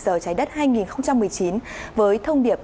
giờ trái đất hai nghìn một mươi chín với thông điệp